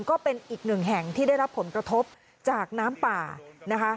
ก็เป็นอีกหนึ่งแห่งที่ได้รับผลกระทบจากน้ำป่านะคะ